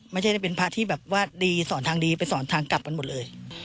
ไม่ได้เป็นพระที่แบบว่าดีสอนทางดีไปสอนทางกลับกันหมดเลย